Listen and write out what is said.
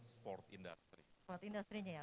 sport industry sport industri nya ya